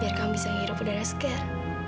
biar kamu bisa ngerobotan segar